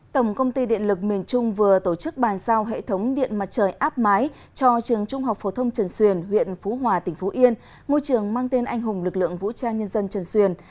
tổng công ty điện lực miền trung vừa tổ chức bàn giao hệ thống điện mặt trời áp mái cho trường trung học phổ thông trần xuyền huyện phú hòa tỉnh phú yên ngôi trường mang tên anh hùng lực lượng vũ trang nhân dân trần xuyền